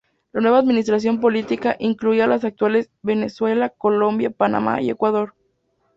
La nueva administración política incluía las actuales Venezuela, Colombia, Panamá y Ecuador.